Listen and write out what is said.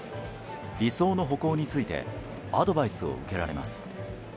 理想の歩行についてアドバイスを受けられます。